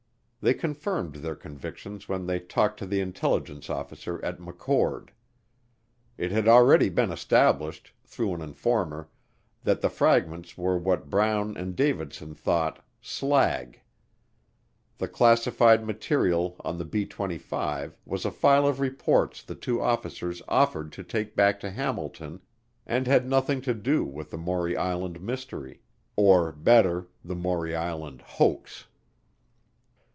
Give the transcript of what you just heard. They confirmed their convictions when they talked to the intelligence officer at McChord. It had already been established, through an informer, that the fragments were what Brown and Davidson thought, slag. The classified material on the B 25 was a file of reports the two officers offered to take back to Hamilton and had nothing to do with the Maury Island Mystery, or better, the Maury Island Hoax.